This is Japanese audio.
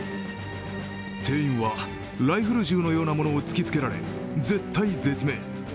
店員はライフル銃のようなものを突きつけられ、絶体絶命。